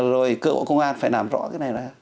rồi cơ hội công an phải làm rõ cái này là